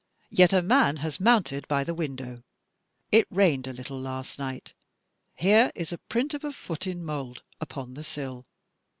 Yet a man has mounted by the window. // rained a little last night. Here is a print of a foot in mould upon the sill.